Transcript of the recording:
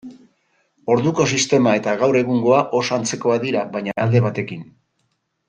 Orduko sistema eta gaur egungoa oso antzekoak dira, baina alde batekin.